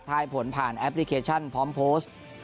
ยผลผ่านแอปพลิเคชันพร้อมโพสต์